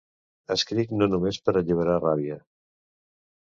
Escric no només per alliberar ràbia.